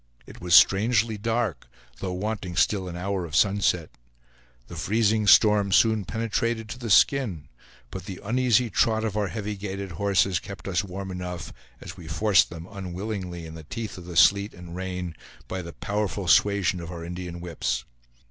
It was strangely dark, though wanting still an hour of sunset. The freezing storm soon penetrated to the skin, but the uneasy trot of our heavy gaited horses kept us warm enough, as we forced them unwillingly in the teeth of the sleet and rain, by the powerful suasion of our Indian whips.